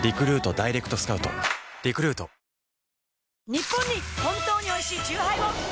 ニッポンに本当においしいチューハイを！